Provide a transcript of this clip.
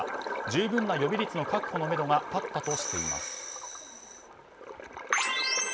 十分な予備率の確保のめどが立ったとしています。